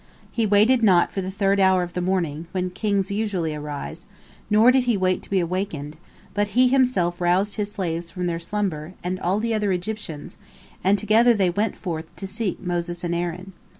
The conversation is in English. He waited not for the third hour of the morning, when kings usually arise, nor did he wait to be awakened, but he himself roused his slaves from their slumber, and all the other Egyptians, and together they went forth to seek Moses and Aaron.